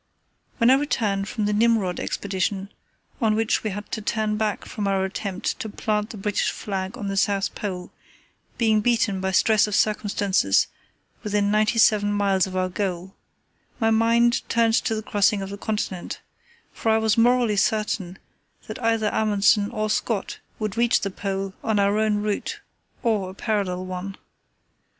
When I returned from the Nimrod Expedition on which we had to turn back from our attempt to plant the British flag on the South Pole, being beaten by stress of circumstances within ninety seven miles of our goal, my mind turned to the crossing of the continent, for I was morally certain that either Amundsen or Scott would reach the Pole on our own route or a parallel one.